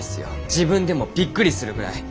自分でもビックリするぐらい。